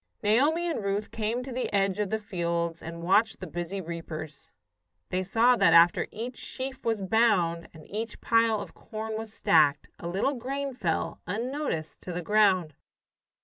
Naomi and Ruth came to the edge of the fields and watched the busy reapers. They saw that after each sheaf was bound, and each pile of corn was stacked, a little grain fell, unnoticed, to the ground.